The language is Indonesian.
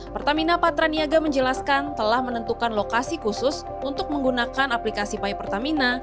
pertamina patraniaga menjelaskan telah menentukan lokasi khusus untuk menggunakan aplikasi my pertamina